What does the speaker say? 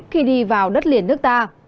khi đi vào đất liền nước ta